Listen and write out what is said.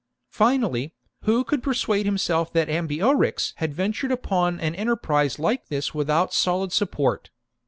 Finally, who could persuade himself that Ambiorix had ven tured upon an enterprise like this without solid support